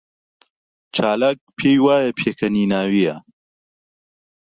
چالاک پێی وایە پێکەنیناوییە.